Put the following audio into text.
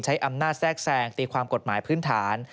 ใช้อำนาจแทรกแทรงตีความกฎหมายพื้นฐาน